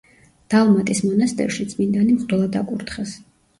დალმატის მონასტერში წმინდანი მღვდლად აკურთხეს.